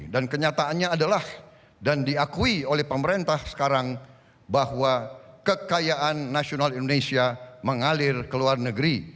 dan kenyataannya adalah dan diakui oleh pemerintah sekarang bahwa kekayaan nasional indonesia mengalir keluar negeri